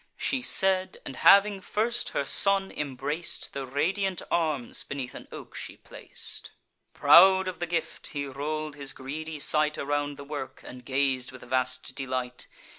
She said; and, having first her son embrac'd, The radiant arms beneath an oak she plac'd, Proud of the gift, he roll'd his greedy sight Around the work, and gaz'd with vast delight.